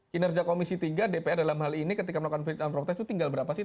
kinerja komisi tiga dpr dalam hal ini ketika melakukan fit and protes itu tinggal berapa sih